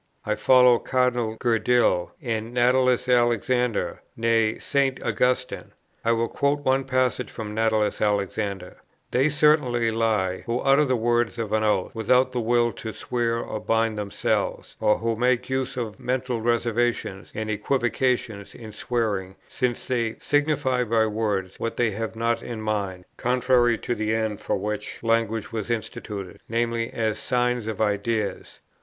I follow Cardinal Gerdil, and Natalis Alexander, nay, St. Augustine. I will quote one passage from Natalis Alexander: "They certainly lie, who utter the words of an oath, without the will to swear or bind themselves: or who make use of mental reservations and equivocations in swearing, since they signify by words what they have not in mind, contrary to the end for which language was instituted, viz. as signs of ideas.